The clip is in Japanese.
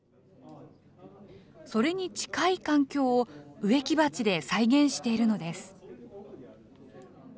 それに近い環境を植木鉢で再現しているのです。